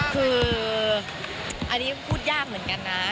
คืออันนี้พูดยากเหมือนกันนะ